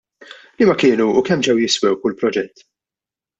Liema kienu u kemm ġew jiswew kull proġett?